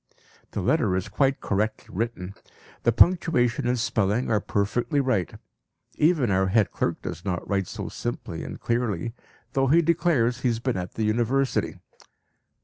(The letter is quite correctly written. The punctuation and spelling are perfectly right. Even our head clerk does not write so simply and clearly, though he declares he has been at the University.